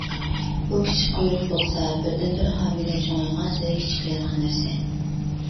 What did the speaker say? بۇ كىچىك قۇيرۇق بولسا بىردىنبىر ھامىلە چوڭايغانسېرى كىچىكلەيدىغان نەرسە.